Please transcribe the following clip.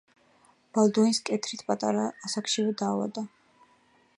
ბალდუინს კეთრით პატარა ასაკშივე დაავადდა.